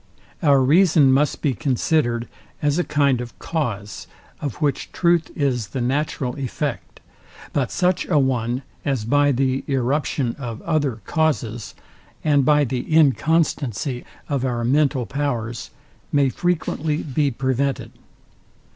Our reason must be considered as a kind of cause, of which truth is the natural effect; but such a one as by the irruption of other causes, and by the inconstancy of our mental powers, may frequently be prevented.